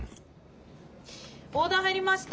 オーダー入りました。